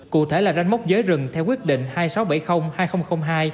cụ thể là ranh mốc giới rừng theo quyết định hai nghìn sáu trăm bảy mươi hai nghìn hai